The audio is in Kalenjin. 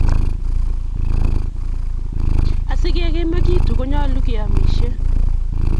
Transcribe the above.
Asi kegimegitu ko nyalu keyamishen